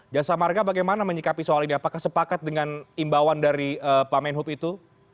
jasa marga bagaimana menyikapi soal ini apakah sepakat dengan imbauan dari pak menhub itu